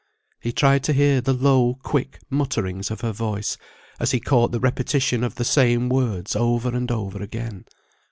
He tried to hear the low quick mutterings of her voice, as he caught the repetition of the same words over and over again.